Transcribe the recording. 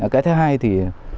cái thứ hai thì